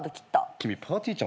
君ぱーてぃーちゃん